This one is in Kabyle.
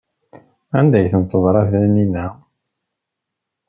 Anda ay ten-teẓra Taninna?